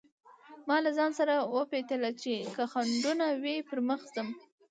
ما له ځانه سره وپتېيله چې که خنډونه وي پر مخ ځم.